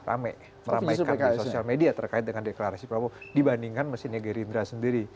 ramai meramaikan di sosial media terkait dengan deklarasi prabowo dibandingkan mesinnya gerindra sendiri